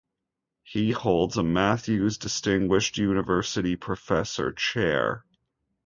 He holds a Matthews Distinguished University Professor chair.